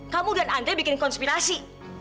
kamu dan andre bikin konspirasi